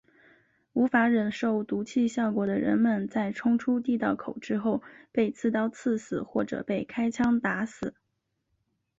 无法忍受毒气效果的人们在冲出地道口之后被刺刀刺死或者被开枪打死。